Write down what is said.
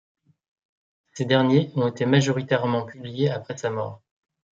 Ces derniers ont été majoritairement publiés après sa mort.